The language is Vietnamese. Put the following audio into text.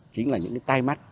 chính là những cái tay mắt